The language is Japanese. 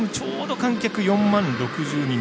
収容４万６２人。